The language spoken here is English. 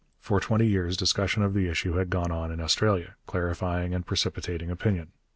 For twenty years discussion of the issue had gone on in Australia, clarifying and precipitating opinion.